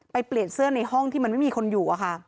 เปลี่ยนเสื้อในห้องที่มันไม่มีคนอยู่